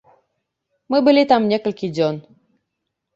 Мы былі там некалькі дзён.